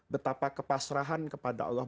betapa kepasrahan kepada allah